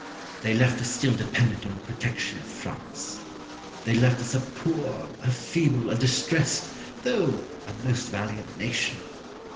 They left us still dependent on the protection of France. They left us a poor, a feeble, a distressed, though a most valiant nation.